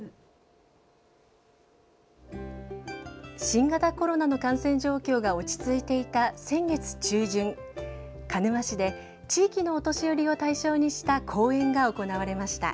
新型コロナの感染状況が落ち着いていた先月中旬鹿沼市で、地域のお年寄りを対象にした公演が行われました。